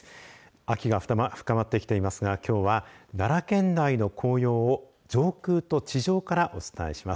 秋が深まってきていますがきょうは奈良県内の紅葉を上空と地上からお伝えします。